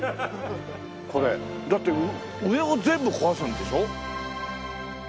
これだって上を全部壊すんでしょ？